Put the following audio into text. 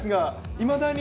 いまだに。